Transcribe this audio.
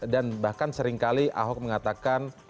dan bahkan seringkali ahok mengatakan